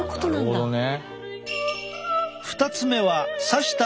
なるほどね。